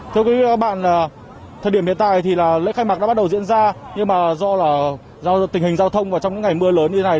thưa quý vị các bạn thời điểm hiện tại thì là lễ khai mạc đã bắt đầu diễn ra nhưng mà do là tình hình giao thông và trong những ngày mưa lớn như thế này